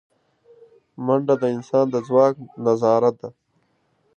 منډه د انسان د ځواک تظاهره ده